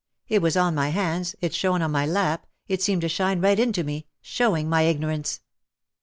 It was on my hands, it shone into my lap, it seemed to shine right into me, showing my ignorance.